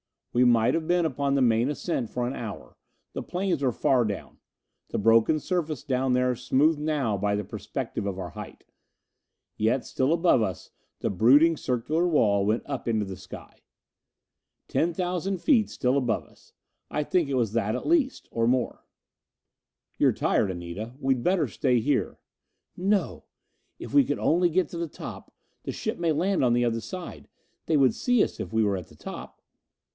We might have been upon this main ascent for an hour; the plains were far down, the broken surface down there smoothed now by the perspective of our height. And yet still above us the brooding circular wall went up into the sky. Ten thousand feet still above us I think it was at least that, or more. "You're tired, Anita. We'd better stay here." "No! If we could only get to the top the ship may land on the other side they would see us if we were at the top."